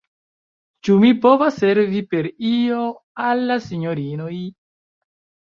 Ĉu mi povas servi per io al la sinjorinoj?